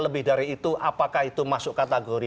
lebih dari itu apakah itu masuk kategori